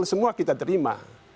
semua kita terima